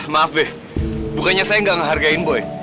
maaf be bukannya saya gak ngehargain boy